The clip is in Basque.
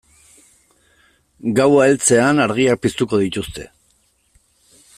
Gaua heltzean argiak piztuko dituzte.